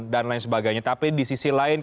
dan lain sebagainya tapi di sisi lain